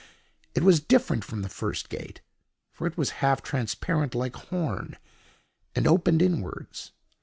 It was different from the first gate; for it was half transparent like horn, and opened inwards.